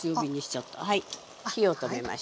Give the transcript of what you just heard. はい火を止めました。